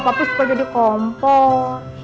tapi suka jadi kompor